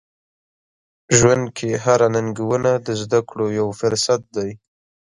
ژوند کې هره ننګونه د زده کړو یو فرصت دی.